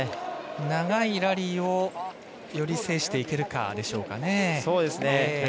長いラリーをより制していけるかということでしょうか。